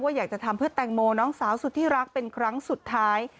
อยากจะทำเพื่อแตงโมน้องสาวสุดที่รักเป็นครั้งสุดท้าย